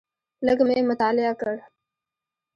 لږ مې مطالعه کړ.